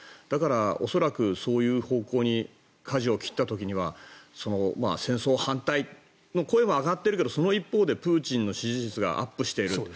だから恐らくそういう方向にかじを切った時には戦争反対の声も上がっているけどその一方でプーチンの支持率がアップしている。